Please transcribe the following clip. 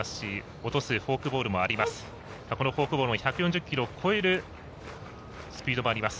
このフォークボールも１４０キロを超えるスピードもあります。